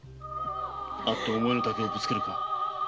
会って思いのたけをぶつけるか。